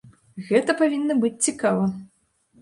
Гэта павінна быць цікава!